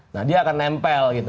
nah dia akan nempel gitu